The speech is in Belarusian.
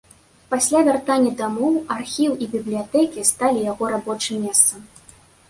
Пасля вяртання дамоў архіў і бібліятэкі сталі яго рабочым месцам.